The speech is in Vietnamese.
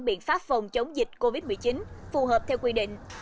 biện pháp phòng chống dịch covid một mươi chín phù hợp theo quy định